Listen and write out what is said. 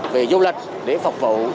về du lịch để phục vụ